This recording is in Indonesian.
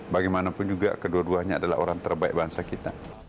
bagaimanapun juga kedua duanya adalah orang terbaik bangsa kita